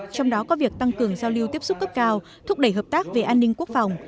trong đó có việc tăng cường giao lưu tiếp xúc cấp cao thúc đẩy hợp tác về an ninh quốc phòng